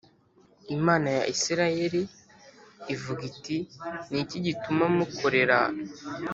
Imana ya Isirayeli ivuga iti Ni iki gituma mukorera